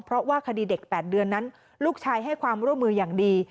เพราะว่าคดีเด็ก๘เดือนนั้นลูกชายให้ความร่วมมืออย่างดี